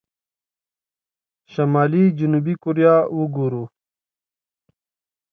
شمالي جنوبي کوريا وګورو.